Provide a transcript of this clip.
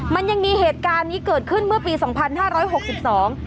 มันยังมีเหตุการณ์นี้เกิดขึ้นเมื่อปีสองพันห้าร้อยหกสิบสอง